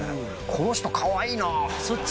この人かわいいなそっち？